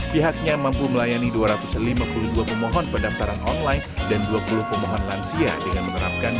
pihaknya mampu melayani dua ratus lima puluh dua pemohon pendaftaran online dan dua puluh pemohon lansia dengan menerapkan